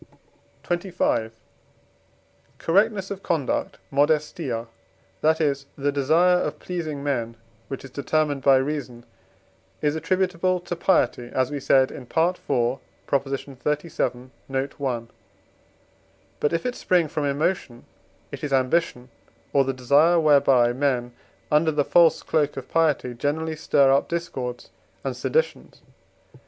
XXV. Correctness of conduct (modestia), that is, the desire of pleasing men which is determined by reason, is attributable to piety (as we said in IV. xxxvii. note. i.). But, if it spring from emotion, it is ambition, or the desire whereby, men, under the false cloak of piety, generally stir up discords and seditions.